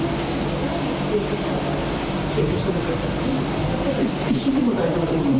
そうですね。